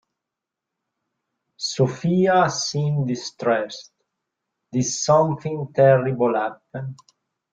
Sophia seemed distressed, did something terrible happen?